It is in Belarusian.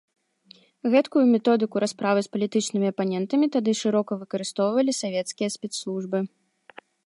Гэткую методыку расправы з палітычнымі апанентамі тады шырока выкарыстоўвалі савецкія спецслужбы.